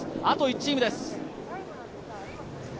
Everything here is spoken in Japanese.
あと１チームです。